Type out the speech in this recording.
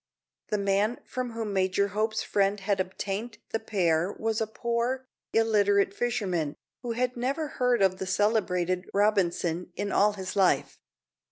The man from whom Major Hope's friend had obtained the pair was a poor, illiterate fisherman, who had never heard of the celebrated "Robinson" in all his life.